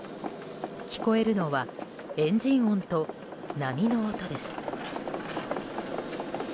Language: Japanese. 聞こえるのはエンジン音と波の音です。